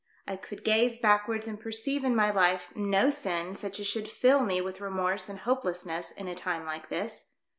I could gaze back wards and perceive in my life no sin such as should fill me with remorse and hopelessness in a time like ihis.